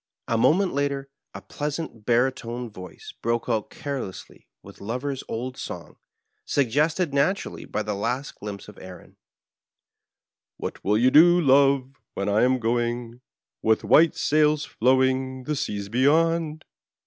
A moment later a pleasant baritone voice broke out carelessly with Lov er's old song, suggested naturally by the last glimpse of Erin — What will you do, love, when I am going, With white sails flowing, the seas beyond